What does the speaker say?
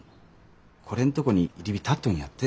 これんとこに入り浸っとるんやって。